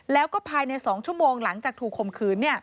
แล้วก็ภายใน๒ชั่วโมงหลังจากถูกข่มขืน